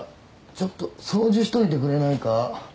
ちょっと掃除しといてくれないか？